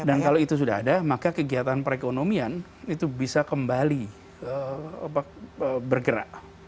dan kalau itu sudah ada maka kegiatan perekonomian itu bisa kembali bergerak